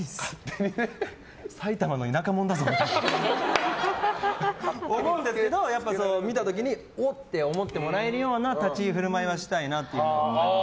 埼玉の田舎者だぞって思うんですけど見た時におって思ってもらえるような立ち居振る舞いはしたいなっていうのは。